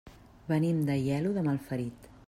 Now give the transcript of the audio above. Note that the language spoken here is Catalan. Venim d'Aielo de Malferit.